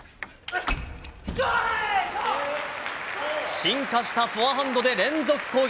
進化したフォアハンドで連続攻撃。